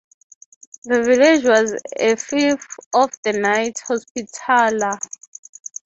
The village was a fief of the Knights Hospitaller.